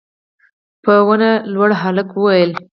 په ونه لوړ هلک وويل: